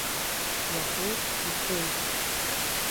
Иаҳәеит, – иҳәеит…